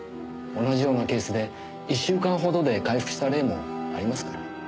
同じようなケースで１週間ほどで回復した例もありますから。